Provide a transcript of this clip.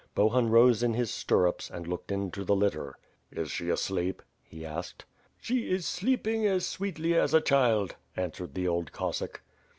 Bohun rose in his stirrupe, and looked into the litter. "Is she asleep?" he r^ked. "She is sleeping as sweetly as a child," answered the old Cossack.